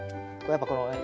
やっぱこのね